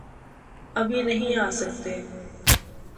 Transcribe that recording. ابھی نہیں آسکتے۔۔۔